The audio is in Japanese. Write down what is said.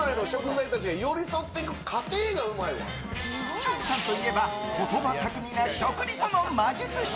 チャンさんといえば言葉巧みな食リポの魔術師。